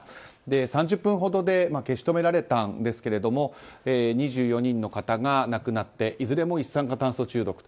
３０分ほどで消し止められたんですが２４人の方が亡くなっていずれも一酸化炭素中毒と。